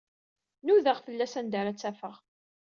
Nudaɣ fell-as anda ara tt-afeɣ.